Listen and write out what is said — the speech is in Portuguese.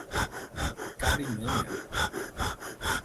Carinhanha